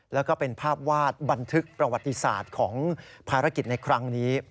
แล้วก็เป็นภาพวาดบันทึกประวัติศาสตร์ของภารกิจในครั้งนี้